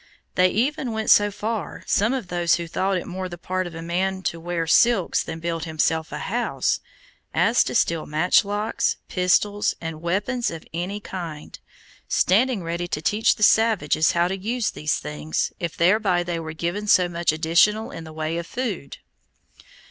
They even went so far, some of those who thought it more the part of a man to wear silks than build himself a house, as to steal matchlocks, pistols, and weapons of any kind, standing ready to teach the savages how to use these things, if thereby they were given so much additional in the way of food.